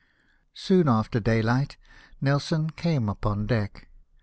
Soon after dayhght Nelson came upon deck.